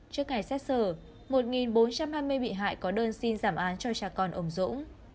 trước ngày xét xử một bốn trăm hai mươi bị hại có đơn xin giảm án cho cha con ông dũng